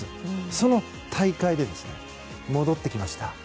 その大会で、戻ってきました。